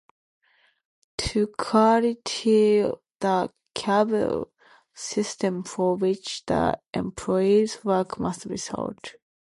To qualify, the cable system for which the employees work must be sold.